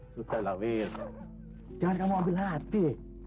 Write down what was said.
selamat datang ke rumah saya